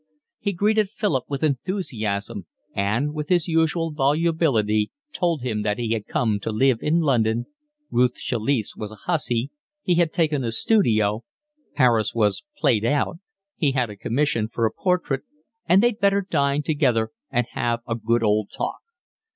He greeted Philip with enthusiasm, and with his usual volubility told him that he had come to live in London, Ruth Chalice was a hussy, he had taken a studio, Paris was played out, he had a commission for a portrait, and they'd better dine together and have a good old talk.